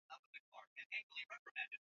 pika kwa dakika arobaini na tano viazi vyako